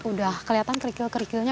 udah kelihatan kerikil kerikilnya